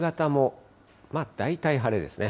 夕方も大体晴れですね。